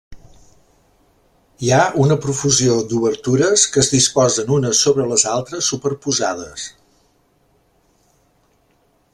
Hi ha una profusió d'obertures que es disposen unes sobre les altres superposades.